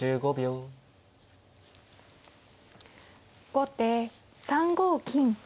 後手３五金。